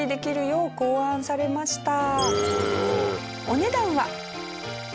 お値段は。